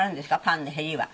パンのへりは。